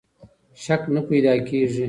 شک نه پیدا کېږي.